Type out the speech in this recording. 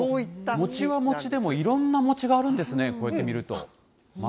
餅は餅でもいろんな餅があるんですね、こうやって見ると。